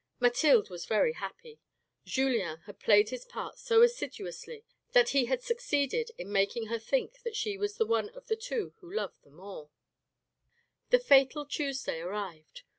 Mathilde was very happy. Julien had played his part so assiduously that he had succeeded in making her think that she was the one of the two who loved the more. The fatal Tuesday arrived.